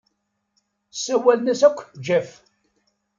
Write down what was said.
Ssawalen-as akk Jeff.